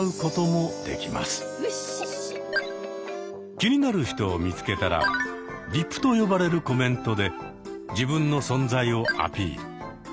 気になる人を見つけたら「リプ」と呼ばれるコメントで自分の存在をアピール。